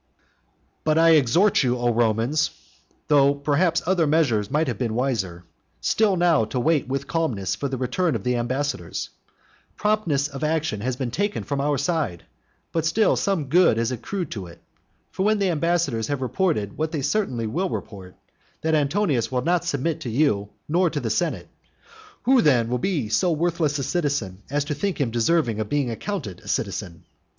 But I exhort you, O Romans, though perhaps other measures might have been wiser, still now to wait with calmness for the return of the ambassadors. Promptness of action has been taken from our side, but still some good has accrued to it. For when the ambassadors have reported what they certainly will report, that Antonius will not submit to you nor to the senate, who then will be so worthless a citizen as to think him deserving of being accounted a citizen?